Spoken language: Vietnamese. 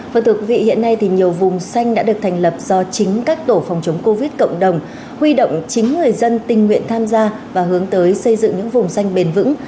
và thưa quý vị hiện nay thì nhiều vùng xanh đã được thành lập do chính các tổ phòng chống covid cộng đồng huy động chính người dân tình nguyện tham gia và hướng tới xây dựng những vùng xanh bền vững